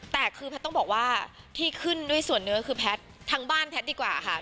แต่คือแพทย์ต้องบอกว่าที่ขึ้นด้วยส่วนเนื้อคือแพทย์ทั้งบ้านแพทย์ดีกว่าค่ะ